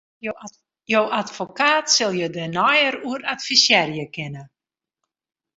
Jo advokaat sil jo dêr neier oer advisearje kinne.